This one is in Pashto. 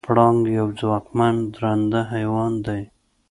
پړانګ یو ځواکمن درنده حیوان دی.